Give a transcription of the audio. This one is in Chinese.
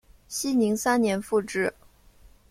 熙宁三年复置。